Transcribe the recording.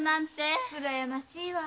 うらやましいわ。